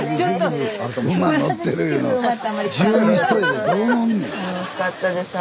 楽しかったです。